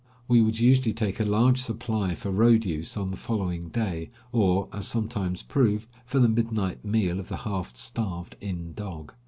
We would usually take a large supply for road use on the following day, or, as sometimes proved, for the midnight meal of the half starved inn dog.